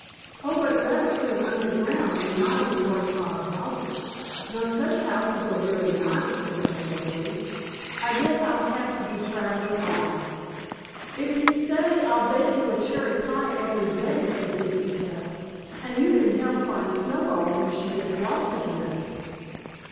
"Oh, but rabbits live underground, and not in corncob houses, though such houses are very nice," said Uncle Wiggily. "I guess I'll have to be traveling on." "If you stay, I'll bake you a cherry pie every day," said Mrs. Cat. "And you can help find Snowball when she gets lost again."